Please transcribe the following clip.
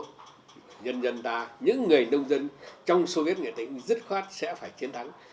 nhân dân ta những người nông dân trong soviet nghĩa tính dứt khoát sẽ phải chiến thắng